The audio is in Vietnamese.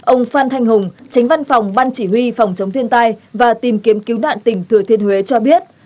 ông phan thanh hùng tránh văn phòng ban chỉ huy phòng chống thiên tai và tìm kiếm cứu nạn tỉnh thừa thiên huế cho biết